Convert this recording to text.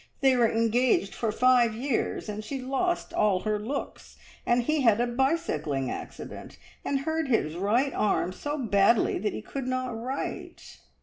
They were engaged for five years, and she lost all her looks, and he had a bicycling accident, and hurt his right arm so badly that he could not write.